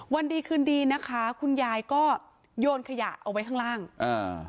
วันดีคืนดีนะคะคุณยายก็โยนขยะเอาไว้ข้างล่างอ่า